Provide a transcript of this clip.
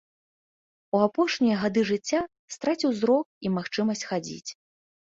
У апошнія гады жыцця страціў зрок і магчымасць хадзіць.